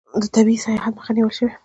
د طبي سیاحت مخه نیول شوې؟